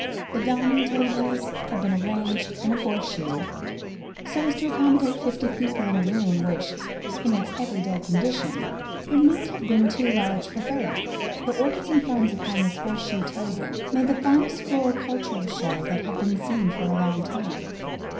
The dining tables had been arranged in a horse shoe, so as to accommodate fifty people in a room which, in its every day condition, would not have been too large for thirty. The orchids and ferns upon this horse shoe table made the finest floricultural show that had been seen for a long time.